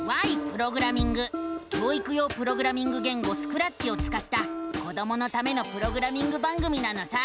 教育用プログラミング言語「スクラッチ」をつかった子どものためのプログラミング番組なのさ！